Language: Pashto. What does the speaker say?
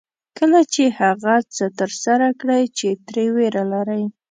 کله چې هغه څه ترسره کړئ چې ترې وېره لرئ.